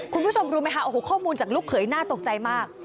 คุณผู้ชมรู้ไหมคะโอ้โหข้อมูลจากลูกเขยน่าตกใจมาก